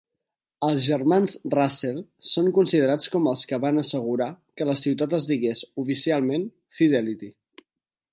Els germans Russell són considerats com els que van assegurar que la ciutat es digués oficialment "Fidelity".